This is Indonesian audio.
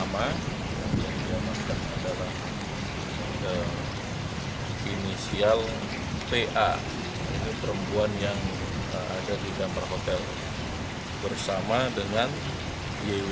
yang diamankan adalah inisial pa perempuan yang ada di kamar hotel bersama dengan yw